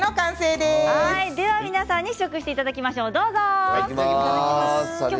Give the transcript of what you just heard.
では皆さんに試食していただきましょう。